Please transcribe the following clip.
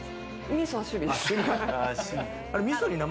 みそは趣味です。